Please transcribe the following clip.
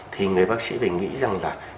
thì người bác sĩ phải nghĩ rằng là